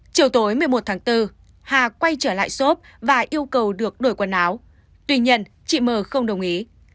chiều tối một mươi một tháng bốn hà quay trở lại shop và yêu cầu được đổi quần áo tuy nhiên chị m không đồng ý